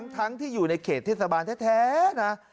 ทั้งที่อยู่ในเขตเทศบาลแท้นะ